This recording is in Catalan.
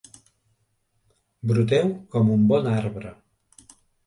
Broteu com un bon arbre.